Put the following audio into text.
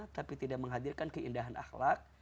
tidak menghadirkan keindahan akhlak